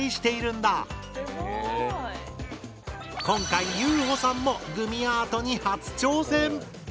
今回ゆうほさんもグミアートに初挑戦！